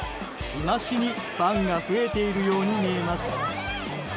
日増しにファンが増えているように見えます。